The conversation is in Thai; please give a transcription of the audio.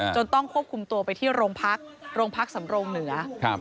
ต้องควบคุมตัวไปที่โรงพักโรงพักสำโรงเหนือ